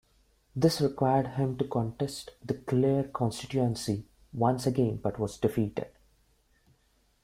This required him to contest the Clare constituency once again but was defeated.